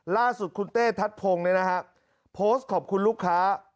ล่าสุดคุณเต้ทัศน์พงษ์เลยนะครับโพสต์ขอบคุณลูกค้า